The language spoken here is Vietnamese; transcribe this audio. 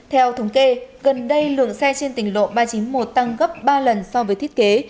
theo thống kê gần đây lượng xe trên tỉnh lộ ba trăm chín mươi một tăng gấp ba lần so với thiết kế